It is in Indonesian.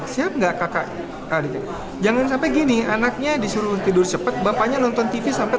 siap nggak kakak jangan sampai gini anaknya disuruh tidur cepat bapaknya nonton tv sampai